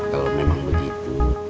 kalau memang begitu